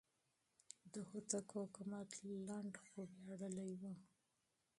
د هوتکو حکومت لنډ خو ویاړلی و.